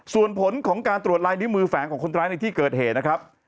ส่วนผลของการตรวจลายนิ้วมือแฝงของคนร้ายในที่เกิดเหตุนะครับ